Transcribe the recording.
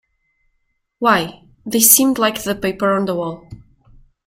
Why, they seemed like the paper on the wall.